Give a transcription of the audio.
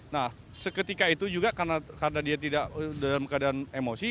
nah seketika itu juga karena dia tidak dalam keadaan emosi